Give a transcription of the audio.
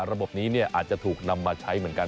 ระบบนี้อาจจะถูกนำมาใช้เหมือนกัน